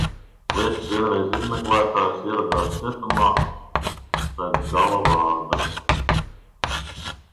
"Liekas vienreiz izmeklētājs ieradās cietumā pēc "gala vārda"."